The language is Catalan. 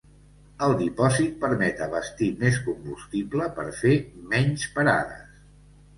El dipòsit permet abastir més combustible per fer menys parades.